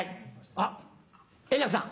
あっ円楽さん。